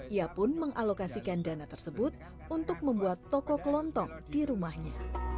ia pun mengalokasikan dana tersebut untuk membuat toko kelontong di rumahnya